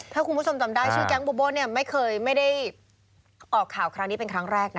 ถ้าคุณผู้ชมจำได้ชื่อแก๊งบูโบเนี่ยไม่เคยไม่ได้ออกข่าวครั้งนี้เป็นครั้งแรกนะ